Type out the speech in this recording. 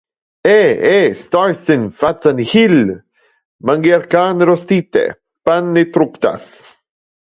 Eh, eh, star sin facer nihil; mangiar carne rostite, pan e tructas.